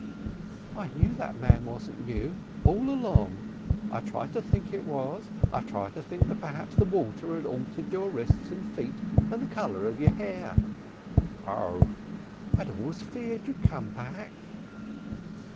"I knew that man wasn't you all along. I tried to think it was. I tried to think perhaps the water had altered your wrists and feet and the colour of your hair." "Ah!" "I'd always feared you'd come back."